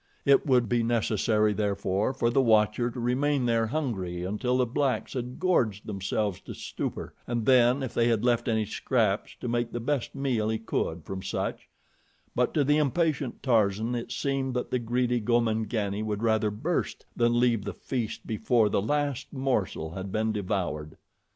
It would be necessary, therefore, for the watcher to remain there hungry until the blacks had gorged themselves to stupor, and then, if they had left any scraps, to make the best meal he could from such; but to the impatient Tarzan it seemed that the greedy Gomangani would rather burst than leave the feast before the last morsel had been devoured.